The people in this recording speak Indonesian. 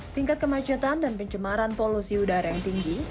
tingkat kemacetan dan pencemaran polusi udara yang tinggi